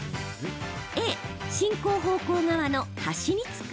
Ａ・進行方向側の端につく。